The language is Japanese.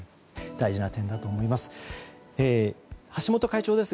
大事な点だと思います。